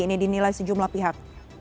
ini dinilai sejumlah pihak